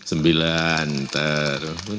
enam tambah tiga sembilan